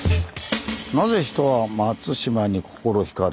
「なぜ人は松島に心ひかれる？」